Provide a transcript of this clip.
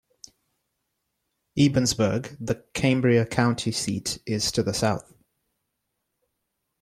Ebensburg, the Cambria County seat, is to the south.